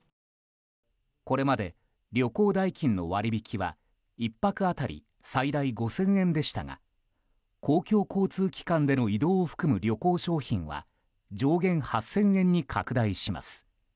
これまで、旅行代金の割引は１泊当たり最大５０００円でしたが公共交通機関での移動を含む旅行商品は上限８０００円に拡大します。